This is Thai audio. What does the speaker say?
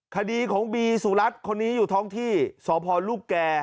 คดีของบีสุรัตน์คนนี้อยู่ท้องที่สพลูกแก่